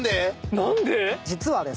何で⁉実はですね